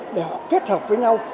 để họ kết hợp với nhau